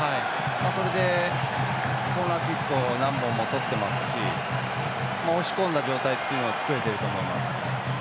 それでコーナーキックを何本もとっていますし押し込んだ状態というのを作れていると思います。